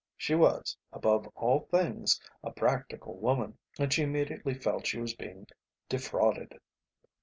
She was above all things a practical woman, and she immediately felt she was being defrauded.